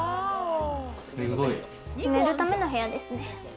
寝るための部屋ですね。